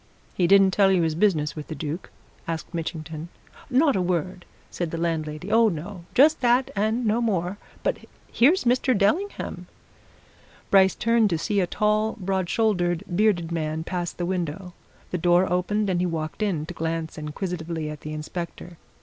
"He didn't tell you his business with the Duke?" asked Mitchington. "Not a word!" said the landlady. "Oh, no! just that, and no more. But here's Mr. Dellingham." Bryce turned to see a tall, broad shouldered, bearded man pass the window the door opened and he walked in, to glance inquisitively at the inspector.